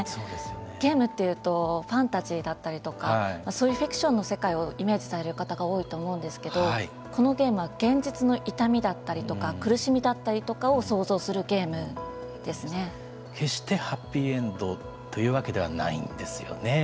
ゲームというとファンタジーだったりとかフィクションの世界をイメージされる方が多いと思うんですけどこのゲームは現実の痛みだったりとか苦しみだったりとかを決してハッピーエンドというわけではないんですよね。